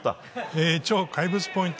怪物ポイント